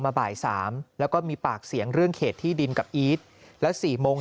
บ่าย๓แล้วก็มีปากเสียงเรื่องเขตที่ดินกับอีทแล้ว๔โมง